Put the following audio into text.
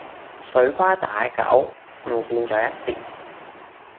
水瓜打狗唔見咗一截